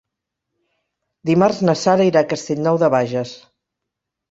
Dimarts na Sara irà a Castellnou de Bages.